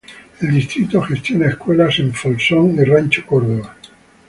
El distrito gestiona escuelas en Folsom y Rancho Cordova.